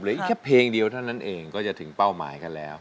อีกแค่เพลงเดียวเท่านั้นเองก็จะถึงเป้าหมายกันแล้ว